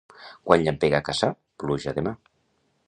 Quan llampega a Cassà, pluja demà.